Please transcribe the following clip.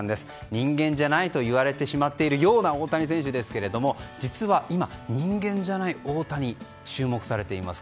人間じゃないと言われてしまっている大谷選手ですけれど実は今、人間じゃない大谷、注目されています。